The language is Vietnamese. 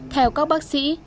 theo các bác sĩ